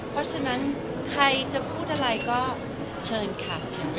เพราะฉะนั้นใครจะพูดอะไรก็เชิญค่ะ